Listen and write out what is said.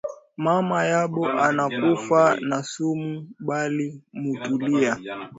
Mama yabo anakufa na sumu bali mutilia